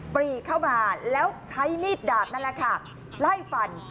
ปรีเข้ามาแล้วใช้มีดดาบนั่นแหละค่ะไล่ฟัน